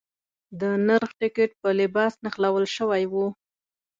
د نرخ ټکټ په لباس نښلول شوی و.